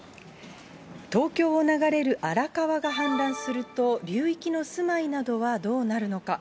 東京を流れる荒川が氾濫すると、流域の住まいなどはどうなるのか。